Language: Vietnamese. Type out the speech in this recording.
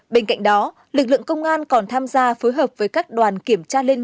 bên cạnh đó lực lượng công an còn tham gia phối hợp với các đoàn kiểm tra liên ngành